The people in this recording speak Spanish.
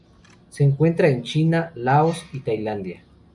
Se encuentra en China, Laos y Tailandia.